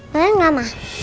saya gak mah